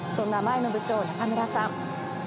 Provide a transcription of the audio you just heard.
そんな前の部長、中村さん。